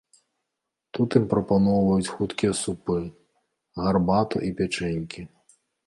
Тут ім прапаноўваюць хуткія супы, гарбату і пячэнькі.